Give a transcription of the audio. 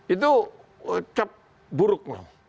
itu cap buruk